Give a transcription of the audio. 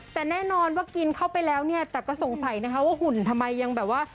แต่แน่นอนว่ากินเข้าไปแล้วเนี่ยแต่ก็สงสัยนะคะว่าหุ่นทำไมยังแบบว่า